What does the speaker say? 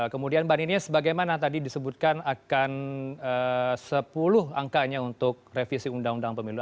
kemudian mbak ninias bagaimana tadi disebutkan akan sepuluh angkanya untuk revisi undang undang pemilu